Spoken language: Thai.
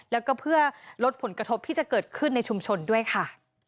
แล้วก็เพื่อลดผลกระทบที่จะเกิดขึ้นในชุมชนด้วยค่ะ